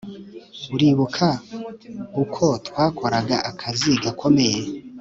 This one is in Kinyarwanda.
uribuka uko twakoraga akazi gakomeye